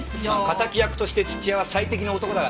敵役として土屋は最適の男だが。